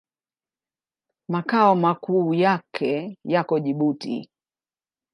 Makao makuu yake yako Jibuti.